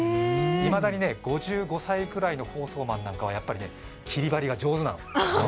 いまだに５５歳くらいの放送マンなんかは切り貼りが上手なの。